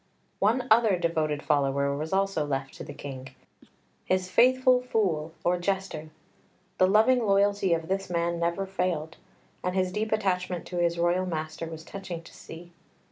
One other devoted follower was also left to the King his faithful Fool, or jester. The loving loyalty of this man never failed, and his deep attachment to his royal master was touching to see.